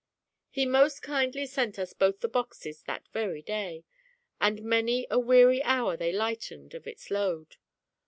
He most kindly sent us both the boxes that very day; and many a weary hour they lightened of its load.